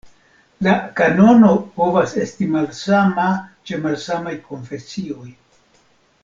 La kanono povas esti malsama ĉe malsamaj konfesioj.